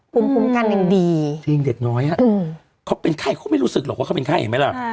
ภูมิคุ้มกันยังดีจริงเด็กน้อยเขาเป็นไข้เขาไม่รู้สึกหรอกว่าเขาเป็นไข้เห็นไหมล่ะ